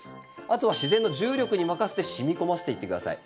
あとは自然の重力に任せて染み込ませていって下さい。